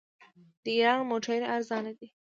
د ایران موټرې ارزانه دي.